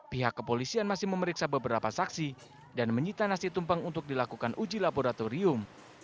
pihak kepolisian masih memeriksa beberapa saksi dan menyita nasi tumpeng untuk dilakukan uji laboratorium